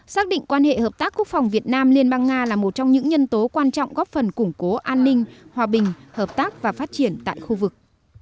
xác định quan hệ hợp tác quốc phòng việt nam liên bang nga là một trong những nhân tố quan trọng góp phần củng cố an ninh hòa bình hợp tác và phát triển tại khu vực